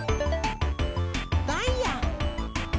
ダイヤ！